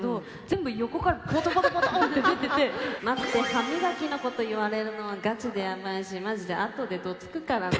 歯磨きの事言われるのはガチでやばいしマジであとでど突くからな。